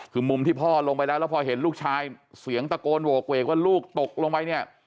คือมุมที่พ่อลงไปแล้วแล้วพอเห็นลูกชายเสียงตะโกนโหกเวกว่าลูกตกลงไปเนี่ย